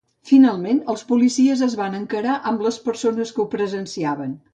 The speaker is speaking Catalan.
Finalment, els policies es van encarar amb persones que ho presenciaven.